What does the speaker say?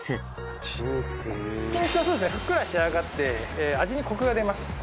はちみつはそうですねふっくら仕上がって味にコクが出ます。